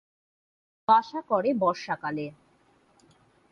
বাসা করে বর্ষাকালে।